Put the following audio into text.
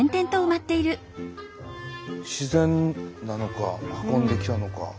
自然なのか運んできたのか。